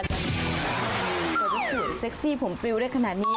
สวยเซ็กซี่ผมปริวได้ขนาดนี้